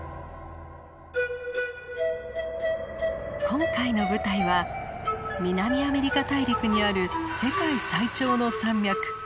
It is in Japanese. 今回の舞台は南アメリカ大陸にある世界最長の山脈アンデスです。